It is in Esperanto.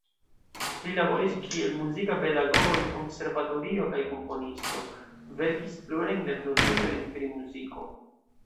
Li laboris kiel muzika pedagogo en konservatorio kaj komponisto, verkis plurajn lernolibrojn pri muziko.